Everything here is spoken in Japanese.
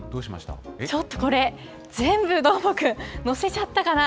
ちょっとこれ、全部どーもくん、載せちゃったかな。